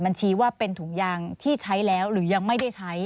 ชี้ว่าเป็นถุงยางที่ใช้แล้วหรือยังไม่ได้ใช้